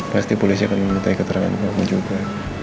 pasti polisi akan meminta keterangan kamu juga